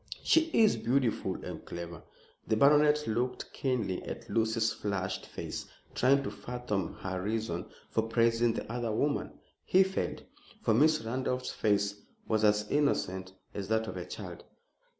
"She is beautiful and clever." The baronet looked keenly at Lucy's flushed face, trying to fathom her reason for praising the other woman. He failed, for Miss Randolph's face was as innocent as that of a child.